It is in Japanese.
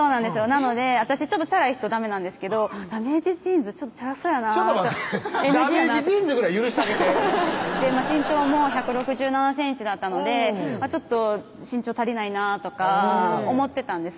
なので私チャラい人ダメなんですけどダメージジーンズチャラそうやなってちょっと待ってダメージジーンズぐらい許したげて身長も１６７ｃｍだったのでちょっと身長足りないなとか思ってたんです